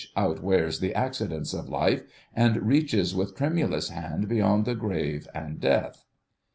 outwears the accidents of life and reaches with tremulous hand beyond the grave and death."